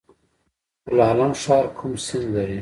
پل علم ښار کوم سیند لري؟